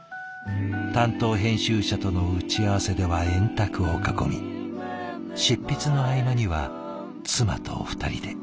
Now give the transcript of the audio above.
担当編集者との打ち合わせでは円卓を囲み執筆の合間には妻と２人で。